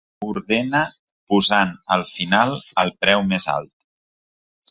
Ordena posant al final el preu més alt.